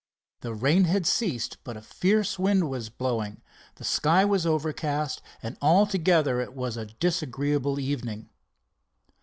The rain had ceased, but a fierce wind was blowing, the sky was overcast, and altogether it was a disagreeable evening.